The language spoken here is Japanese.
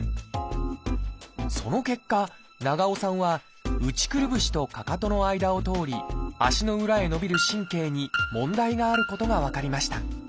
その結果長尾さんは内くるぶしとかかとの間を通り足の裏へ伸びる神経に問題があることが分かりました。